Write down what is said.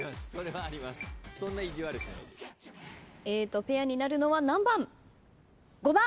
Ａとペアになるのは何番？